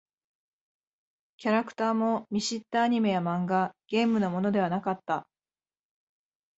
キャラクターも見知ったアニメや漫画、ゲームのものではなかった。